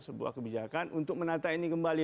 sebuah kebijakan untuk menata ini kembali